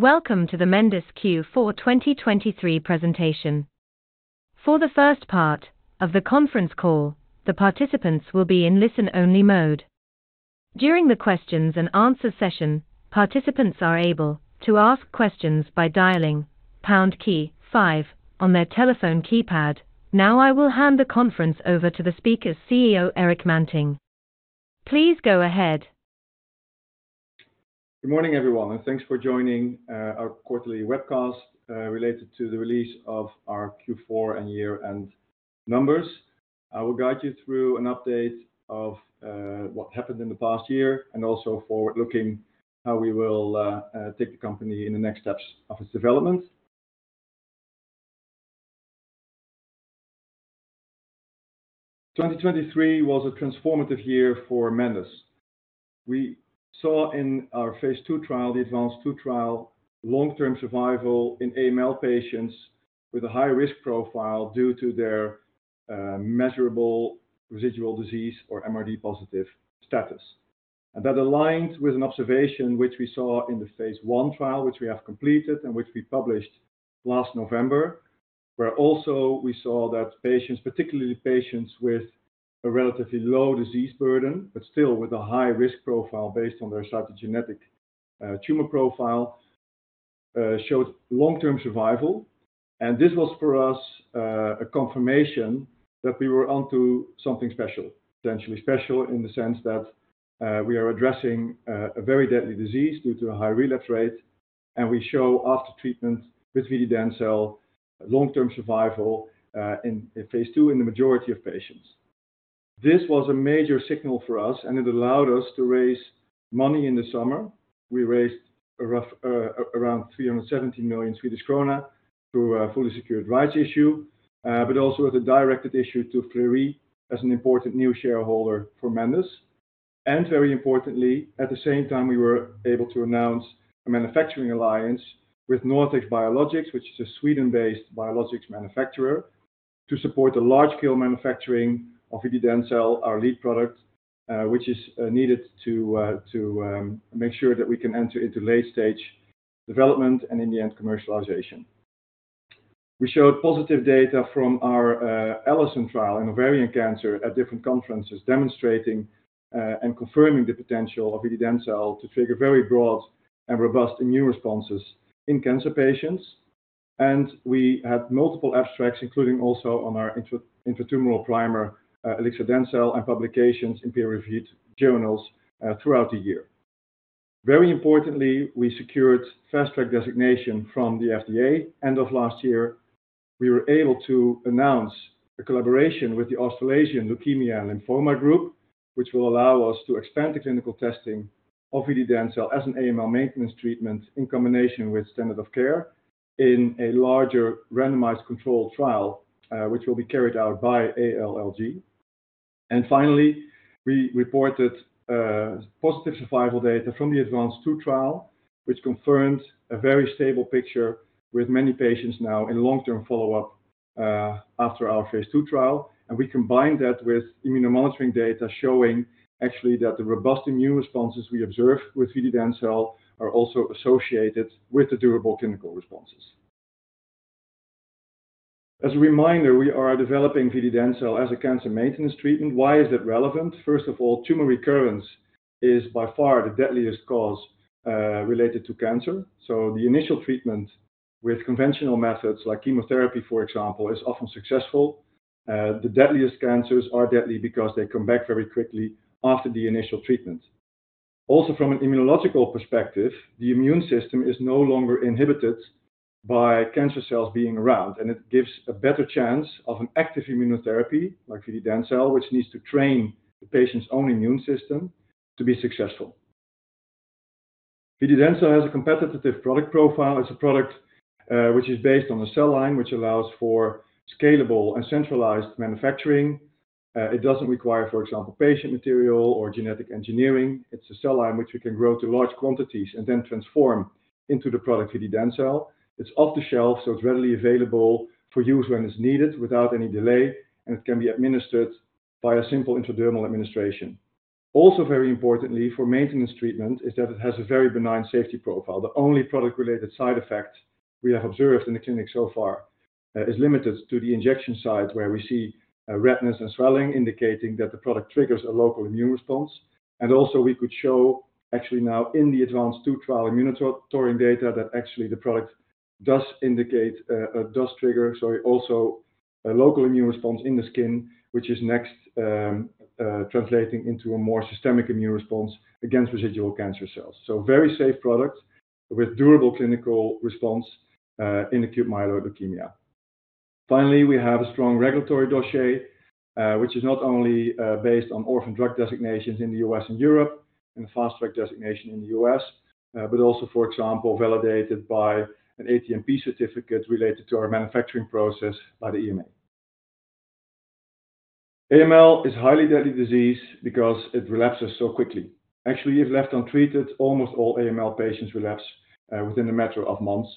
Welcome to the Mendus Q4 2023 presentation. For the first part of the conference call, the participants will be in listen-only mode. During the questions and answer session, participants are able to ask questions by dialing pound key five on their telephone keypad. Now, I will hand the conference over to the speaker, CEO Erik Manting. Please go ahead. Good morning, everyone, and thanks for joining our quarterly webcast related to the release of our Q4 and year-end numbers. I will guide you through an update of what happened in the past year and also forward-looking, how we will take the company in the next steps of its development. 2023 was a transformative year for Mendus. We saw in our phase II trial, the ADVANCE II trial, long-term survival in AML patients with a high-risk profile due to their measurable residual disease or MRD positive status. And that aligned with an observation which we saw in the phase I trial, which we have completed and which we published last November, where also we saw that patients, particularly patients with a relatively low disease burden, but still with a high-risk profile based on their cytogenetic tumor profile, showed long-term survival. This was for us, a confirmation that we were onto something special, potentially special in the sense that, we are addressing, a very deadly disease due to a high relapse rate, and we show after treatment with vididencel, long-term survival, in phase II in the majority of patients. This was a major signal for us, and it allowed us to raise money in the summer. We raised a rough, around 370 million Swedish krona through a fully secured rights issue, but also with a directed issue to Flerie as an important new shareholder for Mendus. Very importantly, at the same time, we were able to announce a manufacturing alliance with NorthX Biologics, which is a Sweden-based biologics manufacturer, to support the large-scale manufacturing of vididencel, our lead product, which is needed to make sure that we can enter into late-stage development and in the end, commercialization. We showed positive data from our ALISON trial in ovarian cancer at different conferences, demonstrating and confirming the potential of vididencel to trigger very broad and robust immune responses in cancer patients. And we had multiple abstracts, including also on our intratumoral primer, ilixadencel and publications in peer-reviewed journals throughout the year. Very importantly, we secured Fast Track Designation from the FDA end of last year. We were able to announce a collaboration with the Australasian Leukaemia Lymphoma Group, which will allow us to expand the clinical testing of vididencel as an AML maintenance treatment in combination with standard of care in a larger randomized controlled trial, which will be carried out by ALLG. Finally, we reported positive survival data from the ADVANCE II trial, which confirms a very stable picture with many patients now in long-term follow-up after our phase two trial. We combined that with immunomonitoring data showing actually that the robust immune responses we observe with vididencel are also associated with the durable clinical responses. As a reminder, we are developing vididencel as a cancer maintenance treatment. Why is it relevant? First of all, tumor recurrence is by far the deadliest cause related to cancer. So the initial treatment with conventional methods like chemotherapy, for example, is often successful. The deadliest cancers are deadly because they come back very quickly after the initial treatment. Also, from an immunological perspective, the immune system is no longer inhibited by cancer cells being around, and it gives a better chance of an active immunotherapy like vididencel, which needs to train the patient's own immune system to be successful. Vididencel has a competitive product profile. It's a product, which is based on a cell line, which allows for scalable and centralized manufacturing. It doesn't require, for example, patient material or genetic engineering. It's a cell line which we can grow to large quantities and then transform into the product vididencel. It's off the shelf, so it's readily available for use when it's needed without any delay, and it can be administered by a simple intradermal administration. Also, very importantly for maintenance treatment, is that it has a very benign safety profile. The only product-related side effect we have observed in the clinic so far, is limited to the injection site, where we see, redness and swelling, indicating that the product triggers a local immune response. And also we could show actually now in the ADVANCE II trial immunomonitoring data, that actually the product does indicate, does trigger, sorry, also a local immune response in the skin, which is next, translating into a more systemic immune response against residual cancer cells. So very safe product with durable clinical response, in acute myeloid leukemia. Finally, we have a strong regulatory dossier, which is not only based on Orphan Drug Designations in the U.S. and Europe, and a Fast Track Designation in the U.S., but also, for example, validated by an ATMP certificate related to our manufacturing process by the EMA. AML is a highly deadly disease because it relapses so quickly. Actually, if left untreated, almost all AML patients relapse within a matter of months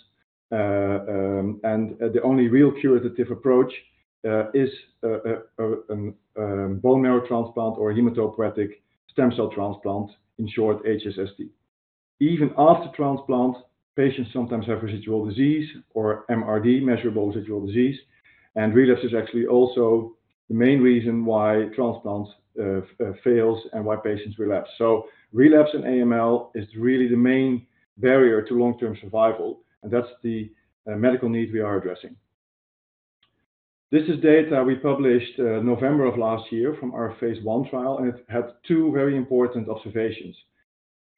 and the only real curative approach is bone marrow transplant or hematopoietic stem cell transplant, in short HSCT. Even after transplant, patients sometimes have residual disease or MRD, measurable residual disease, and relapse is actually also the main reason why transplant fails and why patients relapse. So relapse in AML is really the main barrier to long-term survival, and that's the medical need we are addressing. This is data we published November of last year from our phase I trial, and it had two very important observations.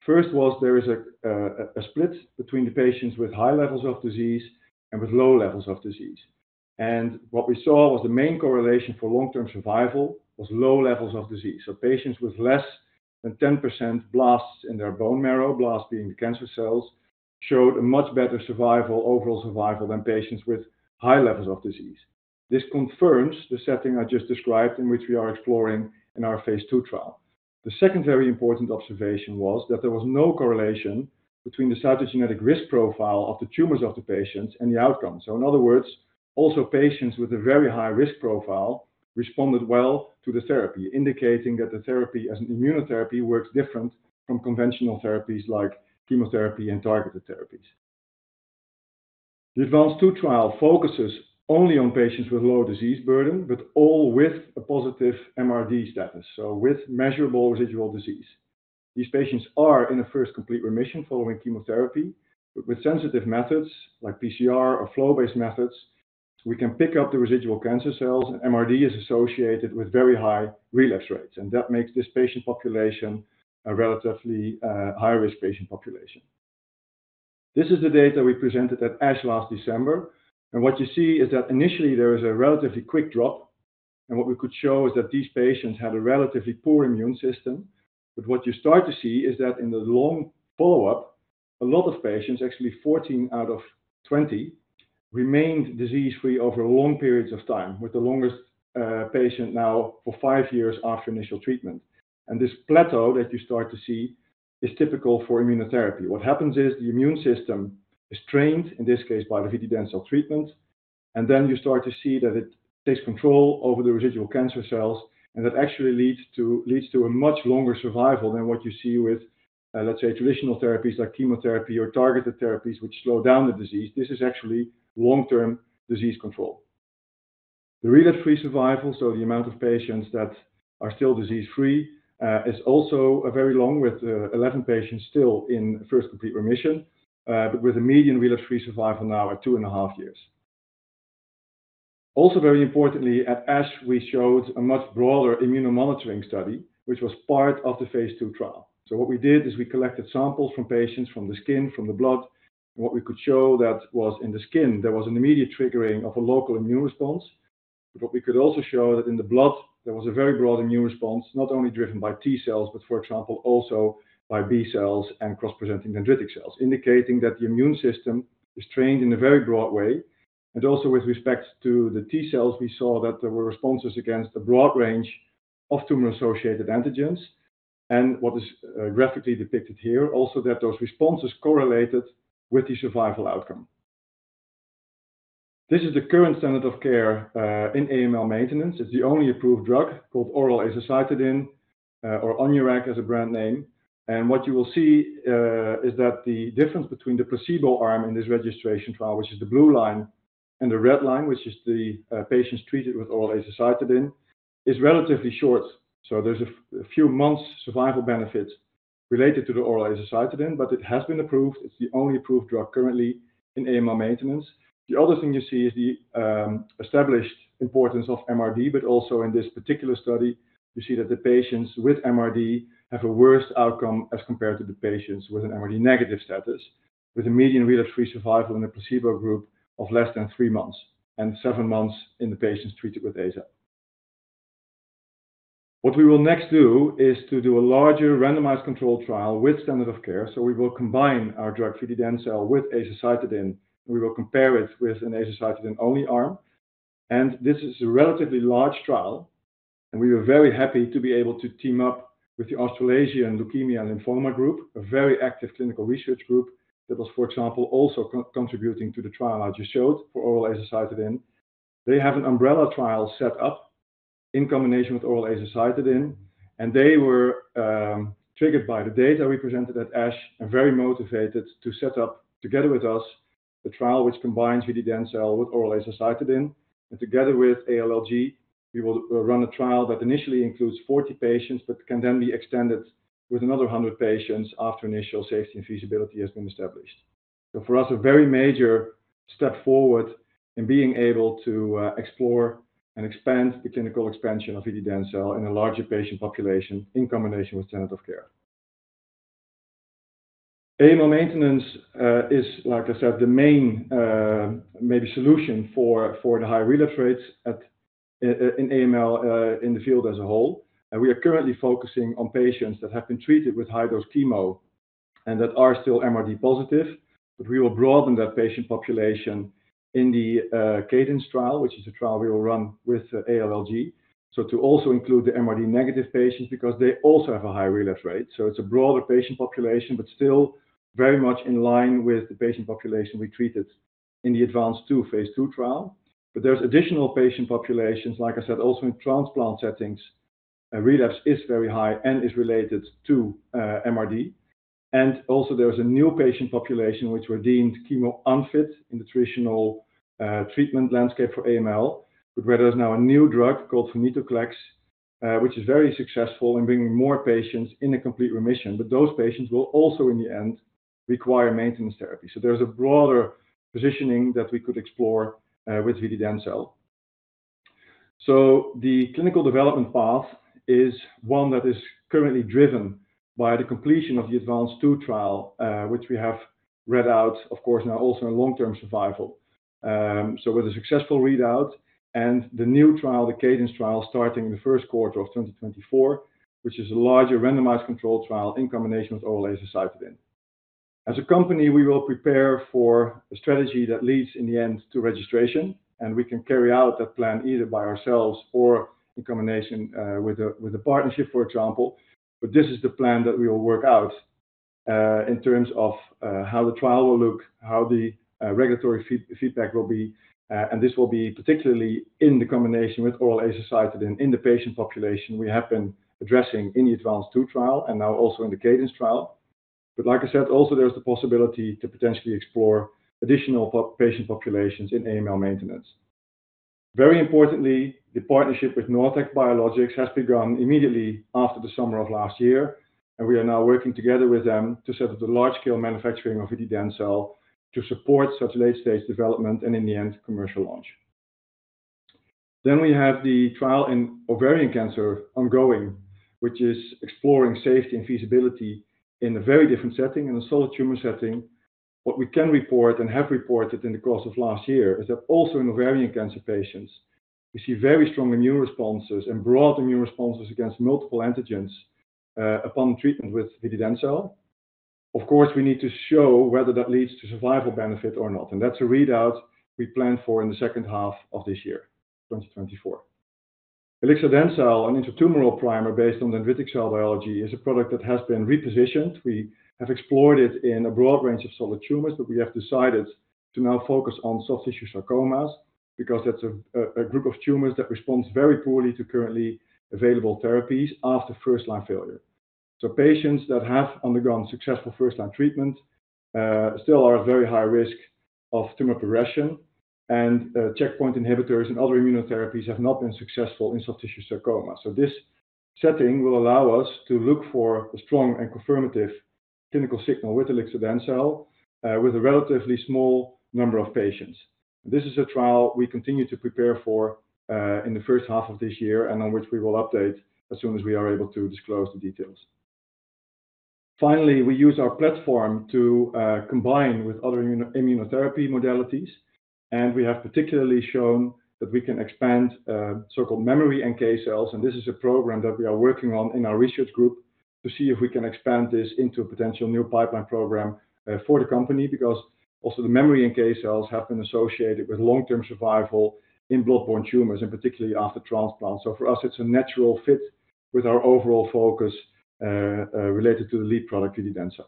First was there is a split between the patients with high levels of disease and with low levels of disease. And what we saw was the main correlation for long-term survival was low levels of disease. So patients with less than 10% blasts in their bone marrow, blasts being the cancer cells, showed a much better survival, overall survival than patients with high levels of disease. This confirms the setting I just described, in which we are exploring in our phase II trial. The second very important observation was that there was no correlation between the cytogenetic risk profile of the tumors of the patients and the outcome. So in other words, also, patients with a very high risk profile responded well to the therapy, indicating that the therapy as an immunotherapy works different from conventional therapies like chemotherapy and targeted therapies. The ADVANCE II trial focuses only on patients with low disease burden, but all with a positive MRD status, so with measurable residual disease. These patients are in a first complete remission following chemotherapy, but with sensitive methods like PCR or flow-based methods, we can pick up the residual cancer cells, and MRD is associated with very high relapse rates, and that makes this patient population a relatively high-risk patient population. This is the data we presented at ASH last December, and what you see is that initially there is a relatively quick drop, and what we could show is that these patients had a relatively poor immune system. But what you start to see is that in the long follow-up, a lot of patients, actually 14 patients out of 20 patients, remained disease-free over long periods of time, with the longest patient now for five years after initial treatment. And this plateau that you start to see is typical for immunotherapy. What happens is the immune system is trained, in this case, by the vididencel treatment, and then you start to see that it takes control over the residual cancer cells, and that actually leads to, leads to a much longer survival than what you see with, let's say, traditional therapies like chemotherapy or targeted therapies, which slow down the disease. This is actually long-term disease control. The relapse-free survival, so the amount of patients that are still disease-free, is also a very long with, 11 patients still in first complete remission, but with a median relapse-free survival now at two and a half years. Also, very importantly, at ASH, we showed a much broader immunomonitoring study, which was part of the phase two trial. So what we did is we collected samples from patients, from the skin, from the blood, and what we could show that was in the skin, there was an immediate triggering of a local immune response. But we could also show that in the blood there was a very broad immune response, not only driven by T cells, but for example, also by B cells and cross-presenting dendritic cells, indicating that the immune system is trained in a very broad way. And also, with respect to the T cells, we saw that there were responses against a broad range of tumor-associated antigens, and what is graphically depicted here, also, that those responses correlated with the survival outcome. This is the current standard of care in AML maintenance. It's the only approved drug called oral azacitidine, or Onureg as a brand name. What you will see is that the difference between the placebo arm in this registration trial, which is the blue line, and the red line, which is the patients treated with oral azacitidine, is relatively short. So there's a few months survival benefit related to the oral azacitidine, but it has been approved. It's the only approved drug currently in AML maintenance. The other thing you see is the established importance of MRD, but also in this particular study, you see that the patients with MRD have a worse outcome as compared to the patients with an MRD-negative status, with a median relapse-free survival in the placebo group of less than three months, and seven months in the patients treated with aza. What we will next do is to do a larger randomized controlled trial with standard of care. So we will combine our drug, vididencel, with azacitidine, and we will compare it with an azacitidine-only arm. This is a relatively large trial, and we were very happy to be able to team up with the Australasian Leukaemia and Lymphoma Group, a very active clinical research group that was, for example, also contributing to the trial I just showed for oral azacitidine. They have an umbrella trial set up in combination with oral azacitidine, and they were triggered by the data we presented at ASH and very motivated to set up together with us a trial which combines vididencel with oral azacitidine. Together with ALLG, we will run a trial that initially includes 40 patients but can then be extended with another 100 patients after initial safety and feasibility has been established. So for us, a very major step forward in being able to explore and expand the clinical expansion of vididencel in a larger patient population in combination with standard of care. AML maintenance is, like I said, the main, maybe solution for the high relapse rates in AML in the field as a whole. And we are currently focusing on patients that have been treated with high-dose chemo and that are still MRD positive. But we will broaden that patient population in the CADENCE trial, which is a trial we will run with ALLG, so to also include the MRD negative patients because they also have a high relapse rate. So it's a broader patient population, but still very much in line with the patient population we treated. in the ADVANCE II phase II trial, but there's additional patient populations, like I said, also in transplant settings, relapse is very high and is related to MRD. And also there is a new patient population which were deemed chemo unfit in the traditional treatment landscape for AML, but where there's now a new drug called VENCLEXTA, which is very successful in bringing more patients into complete remission, but those patients will also, in the end, require maintenance therapy. So there's a broader positioning that we could explore with vididencel. So the clinical development path is one that is currently driven by the completion of the ADVANCE II trial, which we have read out, of course, now also in long-term survival. So with a successful readout and the new trial, the CADENCE trial, starting in the first quarter of 2024, which is a larger randomized controlled trial in combination with oral azacitidine. As a company, we will prepare for a strategy that leads in the end to registration, and we can carry out that plan either by ourselves or in combination with a partnership, for example. But this is the plan that we will work out in terms of how the trial will look, how the regulatory feedback will be. And this will be particularly in the combination with oral azacitidine in the patient population we have been addressing in the ADVANCE II trial and now also in the CADENCE trial. But like I said, also there's the possibility to potentially explore additional patient populations in AML maintenance. Very importantly, the partnership with NorthX Biologics has begun immediately after the summer of last year, and we are now working together with them to set up the large-scale manufacturing of vididencel to support such late-stage development and, in the end, commercial launch. Then we have the trial in ovarian cancer ongoing, which is exploring safety and feasibility in a very different setting, in a solid tumor setting. What we can report and have reported in the course of last year is that also in ovarian cancer patients, we see very strong immune responses and broad immune responses against multiple antigens, upon treatment with vididencel. Of course, we need to show whether that leads to survival benefit or not, and that's a readout we plan for in the second half of this year 2024, ilixadencel, an intratumoral primer based on dendritic cell biology, is a product that has been repositioned We have explored it in a broad range of solid tumors, but we have decided to now focus on soft tissue sarcomas because that's a group of tumors that responds very poorly to currently available therapies after first-line failure. So patients that have undergone successful first-line treatment still are at very high risk of tumor progression, and checkpoint inhibitors and other immunotherapies have not been successful in soft tissue sarcoma. So this setting will allow us to look for a strong and confirmative clinical signal with ilixadencel with a relatively small number of patients. This is a trial we continue to prepare for in the first half of this year and on which we will update as soon as we are able to disclose the details. Finally, we use our platform to combine with other immuno-immunotherapy modalities, and we have particularly shown that we can expand so-called memory NK cells, and this is a program that we are working on in our research group to see if we can expand this into a potential new pipeline program for the company. Because also the memory NK cells have been associated with long-term survival in blood-borne tumors, and particularly after transplant. So for us, it's a natural fit with our overall focus related to the lead product, vididencel.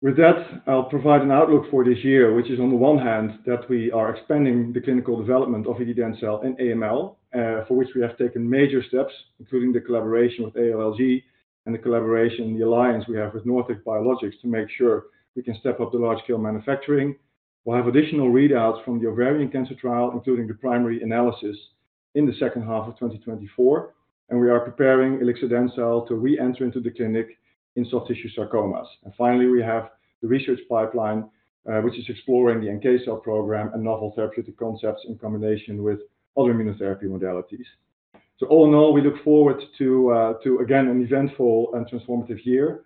With that, I'll provide an outlook for this year, which is on the one hand, that we are expanding the clinical development of vididencel in AML, for which we have taken major steps, including the collaboration with ALLG and the collaboration, the alliance we have with NorthX Biologics, to make sure we can step up the large-scale manufacturing. We'll have additional readouts from the ovarian cancer trial, including the primary analysis in the second half of 2024, and we are preparing ilixadencel to re-enter into the clinic in soft tissue sarcomas. And finally, we have the research pipeline, which is exploring the NK cell program and novel therapeutic concepts in combination with other immunotherapy modalities. So all in all, we look forward to again an eventful and transformative year.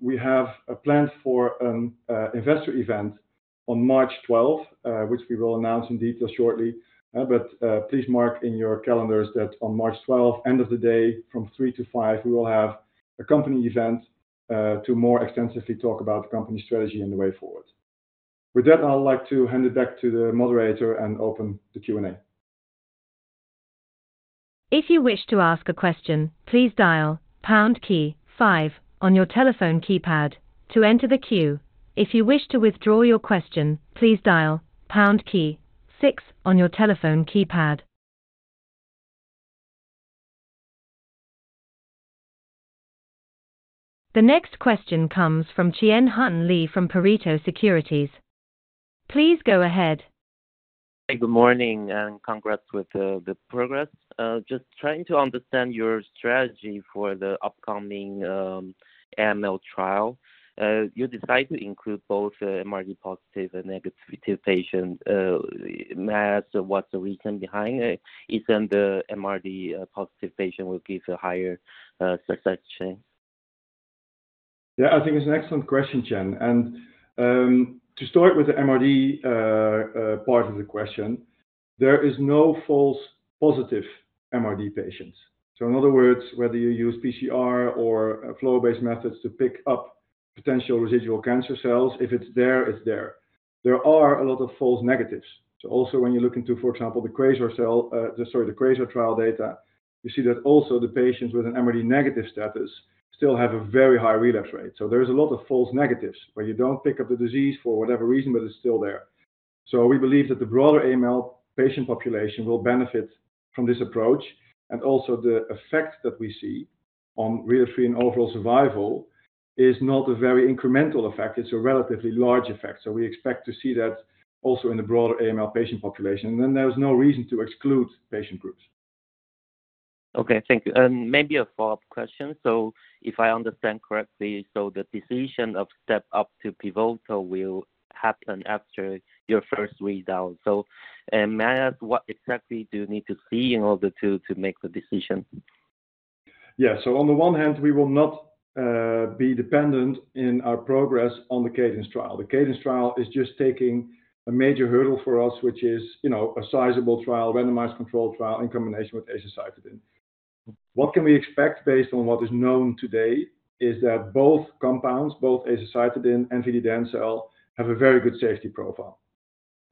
We have a plan for an investor event on March 12, which we will announce in detail shortly. Please mark in your calendars that on March 12, end of the day, from 3:00 P.M. to 5:00 P.M., we will have a company event to more extensively talk about the company strategy and the way forward. With that, I'd like to hand it back to the moderator and open the Q&A. If you wish to ask a question, please dial pound key five on your telephone keypad to enter the queue. If you wish to withdraw your question, please dial pound key six on your telephone keypad. The next question comes from Chien-Hsun Lee from Pareto Securities. Please go ahead. Hey, good morning, and congrats with the progress. Just trying to understand your strategy for the upcoming AML trial. You decide to include both MRD-positive and negative patients. What's the reason behind it? Isn't the MRD-positive patient will give a higher success chance? Yeah, I think it's an excellent question, Chien, and, to start with the MRD, part of the question, there is no false positive MRD patients. So in other words, whether you use PCR or flow-based methods to pick up potential residual cancer cells, if it's there, it's there. There are a lot of false negatives. So also when you look into, for example, the QUAZAR trial data, you see that also the patients with an MRD negative status still have a very high relapse rate. So there is a lot of false negatives, where you don't pick up the disease for whatever reason, but it's still there. We believe that the broader AML patient population will benefit from this approach, and also the effect that we see on relapse-free and overall survival is not a very incremental effect, it's a relatively large effect. We expect to see that also in the broader AML patient population, and then there is no reason to exclude patient groups. Okay, thank you. And maybe a follow-up question. So if I understand correctly, so the decision of step up to pivotal will happen after your first readout. So, may I ask, what exactly do you need to see in order to make the decision? Yeah. So on the one hand, we will not be dependent in our progress on the CADENCE trial. The CADENCE trial is just taking a major hurdle for us, which is, you know, a sizable trial, randomized controlled trial in combination with azacitidine. What can we expect based on what is known today is that both compounds, both azacitidine and vididencel, have a very good safety profile,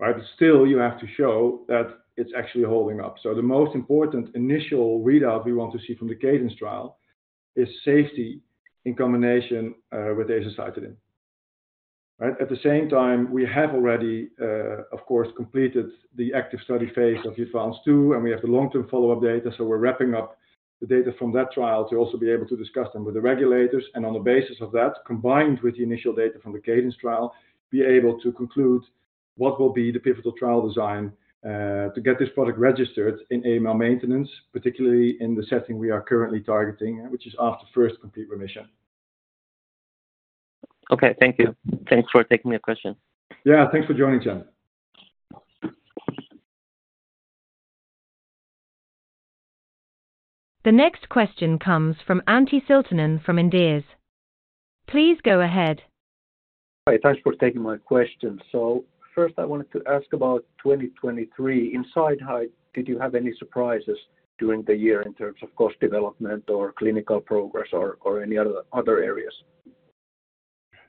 right? But still, you have to show that it's actually holding up. So the most important initial readout we want to see from the CADENCE trial is safety in combination with azacitidine. Right? At the same time, we have already, of course, completed the active study phase of ADVANCE II, and we have the long-term follow-up data, so we're wrapping up the data from that trial to also be able to discuss them with the regulators. On the basis of that, combined with the initial data from the CADENCE trial, be able to conclude what will be the pivotal trial design, to get this product registered in AML maintenance, particularly in the setting we are currently targeting, which is after first complete remission. Okay. Thank you. Thanks for taking my question. Yeah, thanks for joining, Chien. The next question comes from Antti Siltanen from Inderes. Please go ahead. Hi, thanks for taking my question. So first, I wanted to ask about 2023. In hindsight, did you have any surprises during the year in terms of cost development or clinical progress or, or any other, other areas?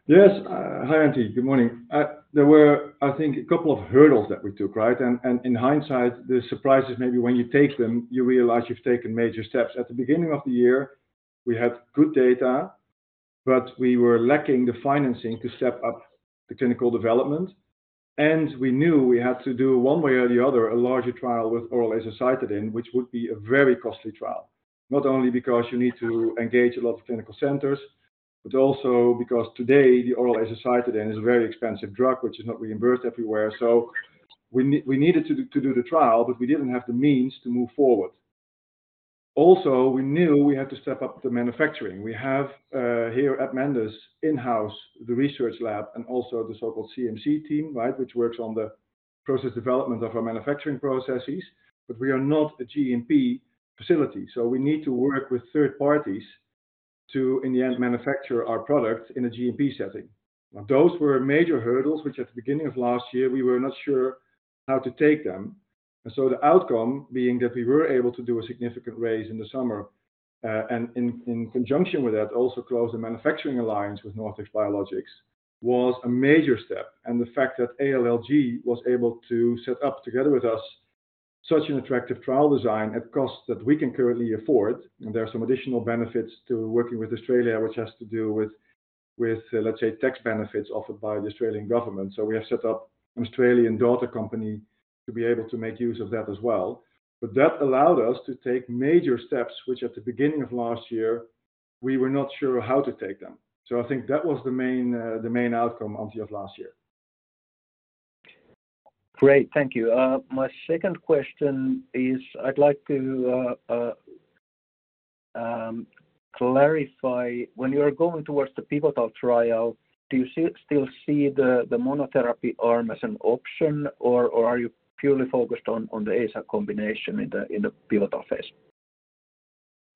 Yes. Hi, Antti. Good morning. There were, I think, a couple of hurdles that we took, right? And, and in hindsight, the surprises, maybe when you take them, you realize you've taken major steps. At the beginning of the year, we had good data, but we were lacking the financing to step up the clinical development. And we knew we had to do, one way or the other, a larger trial with oral azacitidine, which would be a very costly trial. Not only because you need to engage a lot of clinical centers, but also because today, the oral azacitidine is a very expensive drug, which is not reimbursed everywhere. So we need- we needed to, to do the trial, but we didn't have the means to move forward. Also, we knew we had to step up the manufacturing. We have here at Mendus, in-house, the research lab and also the so-called CMC team, right, which works on the process development of our manufacturing processes, but we are not a GMP facility. So we need to work with third parties to, in the end, manufacture our product in a GMP setting. Those were major hurdles, which at the beginning of last year, we were not sure how to take them. And so the outcome being that we were able to do a significant raise in the summer, and in conjunction with that, also close the manufacturing alliance with NorthX Biologics, was a major step. The fact that ALLG was able to set up together with us such an attractive trial design at costs that we can currently afford, and there are some additional benefits to working with Australia, which has to do with, let's say, tax benefits offered by the Australian government. We have set up an Australian daughter company to be able to make use of that as well. That allowed us to take major steps, which at the beginning of last year, we were not sure how to take them. I think that was the main, the main outcome, Antti, of last year. Great. Thank you. My second question is, I'd like to clarify: when you are going towards the pivotal trial, do you still see the monotherapy arm as an option, or are you purely focused on the aza combination in the pivotal phase?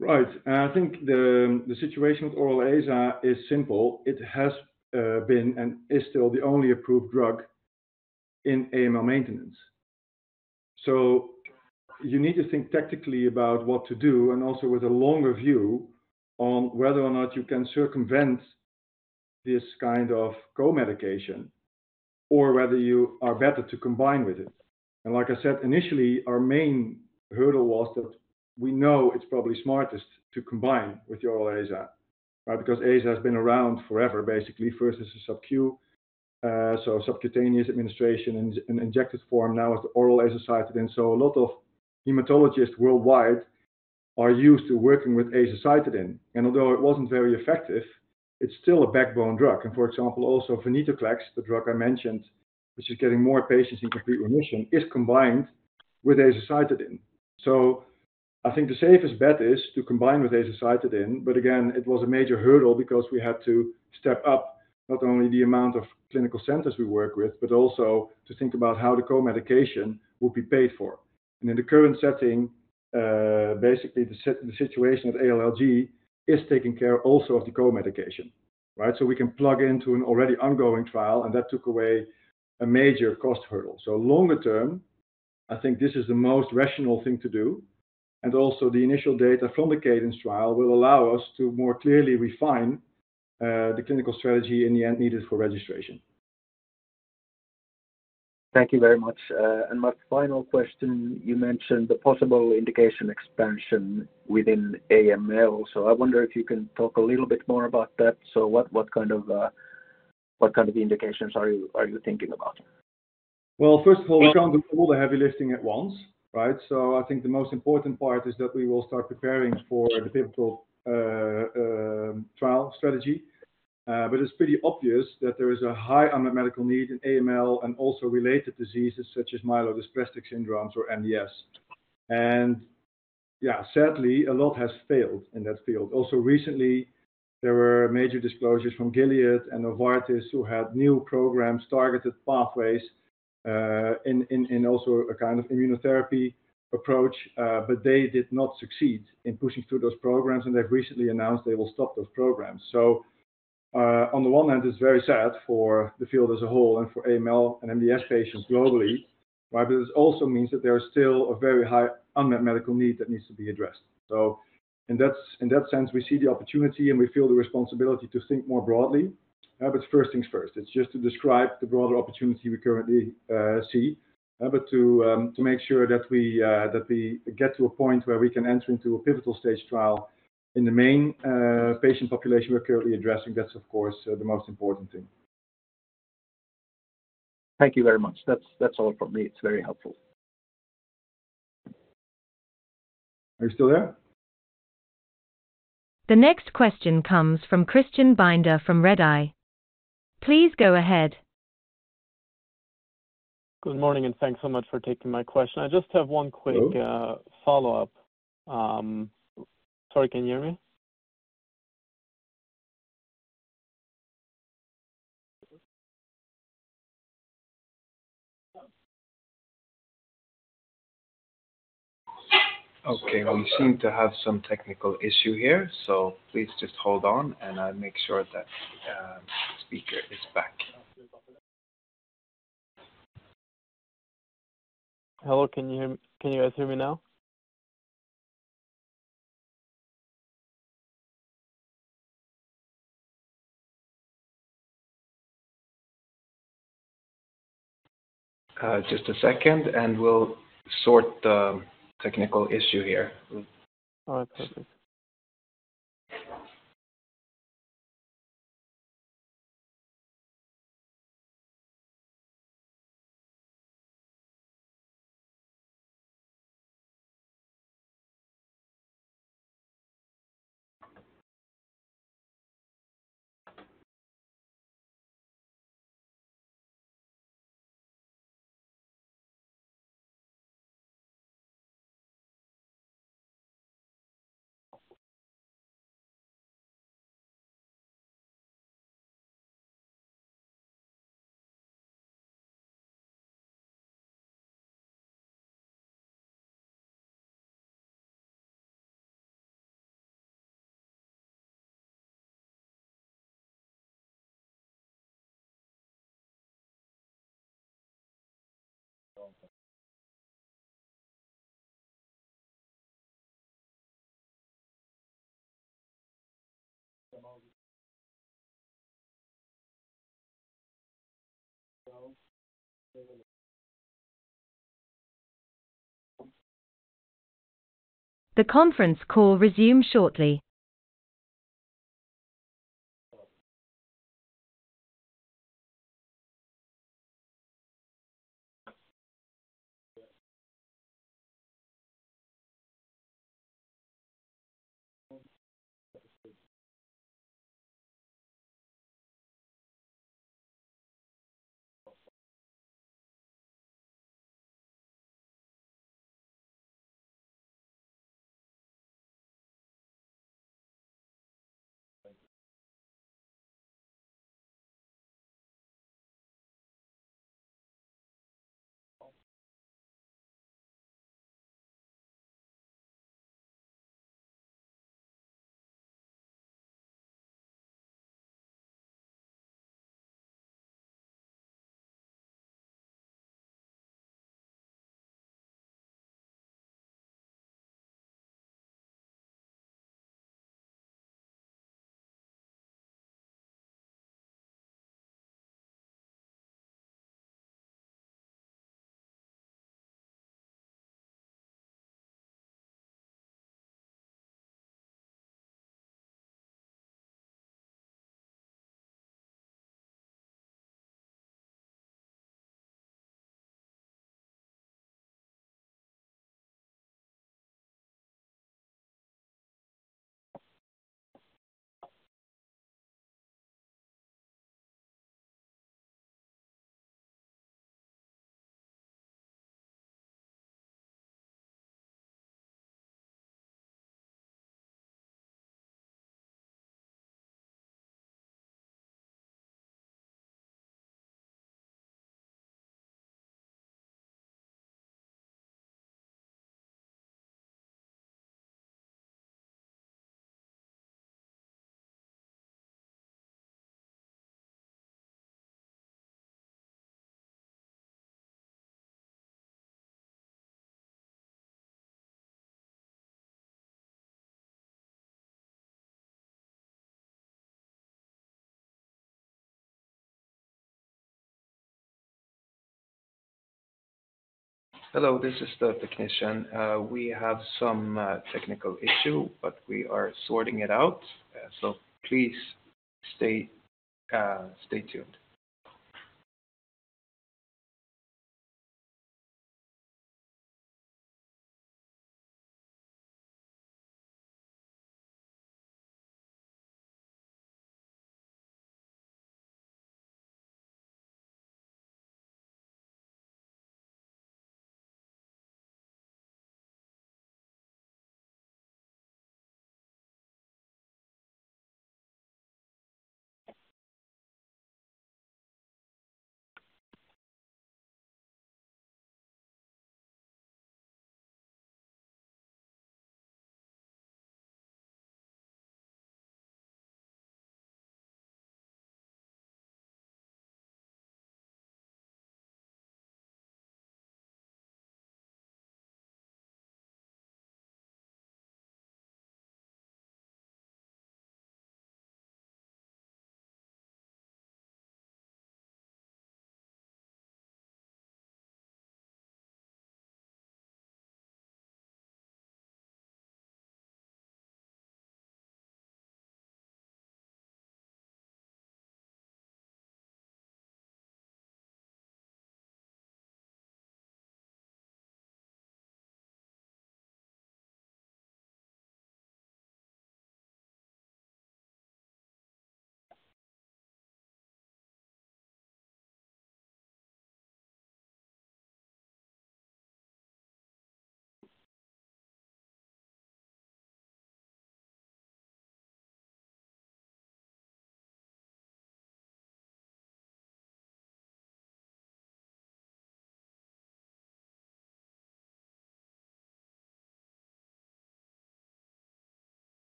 Right. I think the situation with oral aza is simple. It has been and is still the only approved drug in AML maintenance. So you need to think tactically about what to do, and also with a longer view on whether or not you can circumvent this kind of co-medication or whether you are better to combine with it. And like I said, initially, our main hurdle was that we know it's probably smartest to combine with the oral aza, right? Because aza has been around forever, basically. First, as a subQ, so subcutaneous administration in injected form, now as the oral azacitidine. So a lot of hematologists worldwide are used to working with azacitidine. And although it wasn't very effective, it's still a backbone drug. For example, also, VENCLEXTA, the drug I mentioned, which is getting more patients in complete remission, is combined with azacitidine. So I think the safest bet is to combine with azacitidine, but again, it was a major hurdle because we had to step up not only the amount of clinical centers we work with, but also to think about how the co-medication will be paid for. And in the current setting, basically, the situation with ALLG is taking care also of the co-medication, right? So we can plug into an already ongoing trial, and that took away a major cost hurdle. So longer term, I think this is the most rational thing to do, and also the initial data from the CADENCE trial will allow us to more clearly refine the clinical strategy in the end needed for registration. Thank you very much. And my final question, you mentioned the possible indication expansion within AML. So I wonder if you can talk a little bit more about that. So what kind of indications are you thinking about? Well, first of all, we can't do all the heavy lifting at once, right? So I think the most important part is that we will start preparing for the pivotal trial strategy. But it's pretty obvious that there is a high unmet medical need in AML and also related diseases such as myelodysplastic syndromes or MDS. And yeah, sadly, a lot has failed in that field. Also recently, there were major disclosures from Gilead and Novartis, who had new programs, targeted pathways in also a kind of immunotherapy approach, but they did not succeed in pushing through those programs, and they've recently announced they will stop those programs. So, on the one hand, it's very sad for the field as a whole and for AML and MDS patients globally, but this also means that there is still a very high unmet medical need that needs to be addressed. So in that sense, we see the opportunity and we feel the responsibility to think more broadly. But first things first, it's just to describe the broader opportunity we currently see, but to make sure that we get to a point where we can enter into a pivotal stage trial in the main patient population we're currently addressing, that's of course the most important thing. Thank you very much. That's, that's all from me. It's very helpful. Are you still there? The next question comes from Christian Binder from Redeye. Please go ahead. Good morning, and thanks so much for taking my question. I just have one quick- Hello. Follow-up. Sorry, can you hear me? Okay, we seem to have some technical issue here, so please just hold on and I'll make sure that speaker is back. Hello, can you hear me? Can you guys hear me now? Just a second, and we'll sort the technical issue here. All right. Perfect. The conference call resumes shortly. Hello, this is the technician. We have some technical issue, but we are sorting it out. So please stay tuned.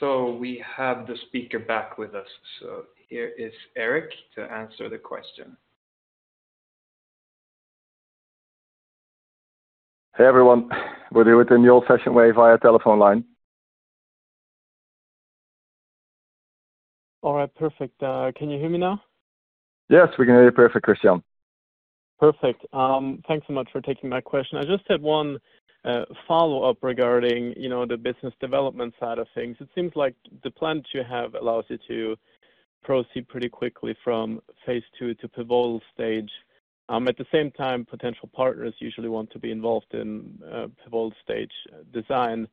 So we have the speaker back with us. So here is Erik to answer the question. Hey, everyone. We're doing it the old-fashioned way via telephone line. All right, perfect. Can you hear me now? Yes, we can hear you perfect, Christian. Perfect. Thanks so much for taking my question. I just had one follow-up regarding, you know, the business development side of things. It seems like the plan that you have allows you to proceed pretty quickly from phase II to pivotal stage. At the same time, potential partners usually want to be involved in pivotal stage design.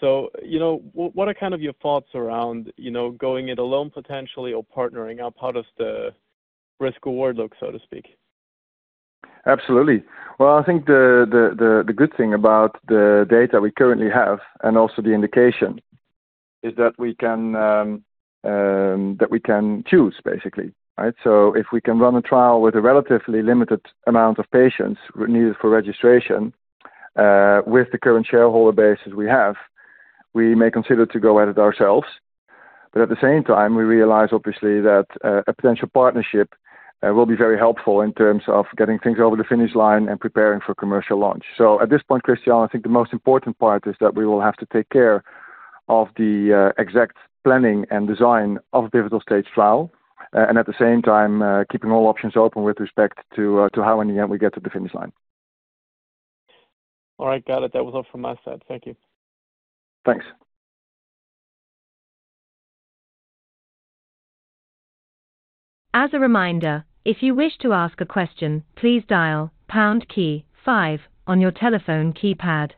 So, you know, what, what are kind of your thoughts around, you know, going it alone potentially or partnering up? How does the risk-reward look, so to speak? Absolutely. Well, I think the good thing about the data we currently have and also the indication is that we can choose basically, right? So if we can run a trial with a relatively limited amount of patients needed for registration, with the current shareholder base as we have, we may consider to go at it ourselves. But at the same time, we realize, obviously, that a potential partnership will be very helpful in terms of getting things over the finish line and preparing for commercial launch. So at this point, Christian, I think the most important part is that we will have to take care of the exact planning and design of pivotal stage trial, and at the same time, keeping all options open with respect to how in the end we get to the finish line. All right, got it. That was all from my side. Thank you. Thanks. As a reminder, if you wish to ask a question, please dial pound key five on your telephone keypad.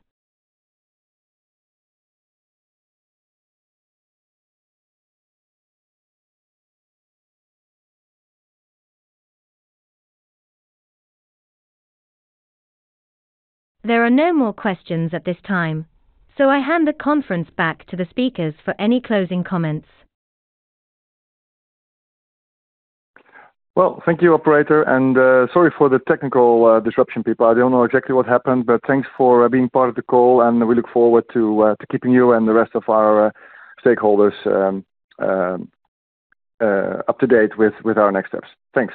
There are no more questions at this time, so I hand the conference back to the speakers for any closing comments. Well, thank you, operator, and sorry for the technical disruption, people. I don't know exactly what happened, but thanks for being part of the call, and we look forward to keeping you and the rest of our stakeholders up to date with our next steps. Thanks.